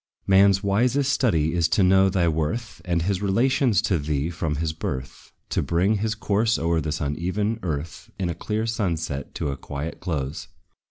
Man's wisest study is to know thy worth And his relations to thee from his birth; To bring his course o'er this uneven earth, In a clear sunset, to a quiet close.